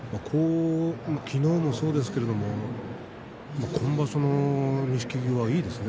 昨日もそうですけど今場所の錦木はいいですね。